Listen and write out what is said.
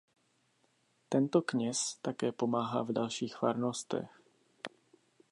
Tento kněz také pomáhá v dalších farnostech.